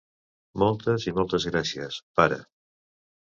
Moltes i moltes gràcies, pare!